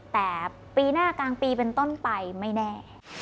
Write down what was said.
แต่ปีหน้ากลางปีเป็นต้นไปไม่แน่